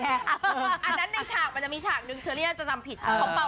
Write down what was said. อันนั้นมีฉากนึกเชื้อลี่แต่มีของที่จะจำผิด